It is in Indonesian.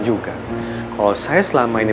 juga kalau saya selama ini